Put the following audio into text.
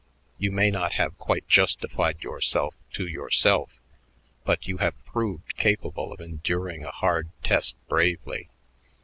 You may not have quite justified yourself to yourself, but you have proved capable of enduring a hard test bravely.